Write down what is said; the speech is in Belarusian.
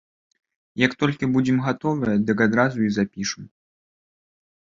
Як толькі будзем гатовыя, дык адразу і запішам.